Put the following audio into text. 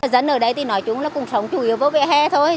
dân ở đây nói chung là cùng sống chủ yếu với về hè thôi